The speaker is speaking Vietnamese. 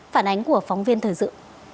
phản ánh của phóng viên thời dự